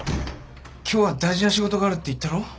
今日は大事な仕事があるって言ったろ。